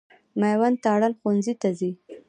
مېوند تارڼ ښوونځي ته ځي.